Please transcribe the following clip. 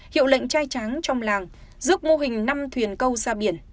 hiệu lệnh trai tráng trong làng giúp mô hình năm thuyền câu ra biển